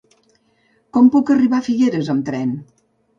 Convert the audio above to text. Com puc arribar a Figueres amb tren?